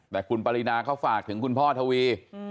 แต่คุณปรินาเขาฝากถึงคุณพ่อทวี